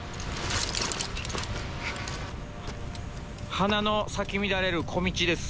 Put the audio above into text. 花の咲き乱れる小道です。